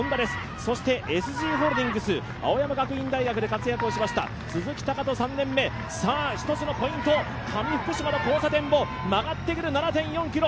そしてＳＧホールディングス、青山学院大学で活躍した鈴木塁人３年目、一つのポイント、上福島の交差点を曲がって来る、７．４ｋｍ。